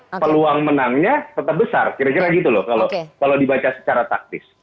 nah peluang menangnya tetap besar kira kira gitu loh kalau dibaca secara taktis